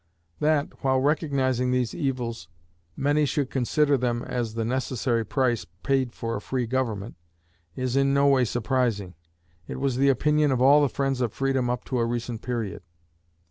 That, while recognizing these evils, many should consider them as the necessary price paid for a free government, is in no way surprising; it was the opinion of all the friends of freedom up to a recent period.